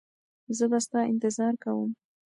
زه به ستا انتظار کوم.